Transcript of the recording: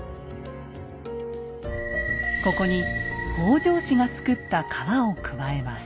ここに北条氏が造った川を加えます。